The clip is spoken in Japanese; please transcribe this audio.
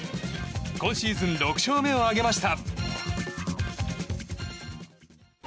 今シーズン６勝目を挙げました。